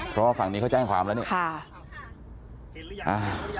เพราะว่าฝั่งนี้เขาแจ้งความแล้วเนี่ย